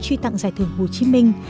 truy tặng giải thưởng hồ chí minh